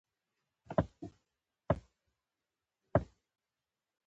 تیر وخت زمونږ پای ته رسیدلی، راتلونی هم زموږ لپاره ضمانت نه دی